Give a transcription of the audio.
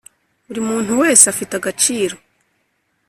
buri muntu wese afite agaciro